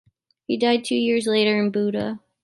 He died two years later in Buda.